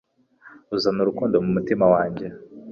uzana urukundo mu mutima wanjye.